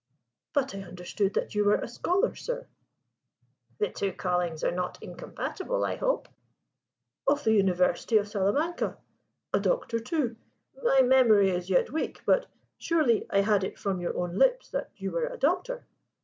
"But I understood that you were a scholar, sir " "The two callings are not incompatible, I hope?" " of the University of Salamanca: a Doctor, too. My memory is yet weak, but surely I had it from your own lips that you were a Doctor?"